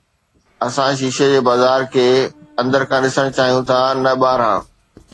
اسان شيشي جي بازار کي اندر کان ڏسڻ چاهيون ٿا نه ٻاهران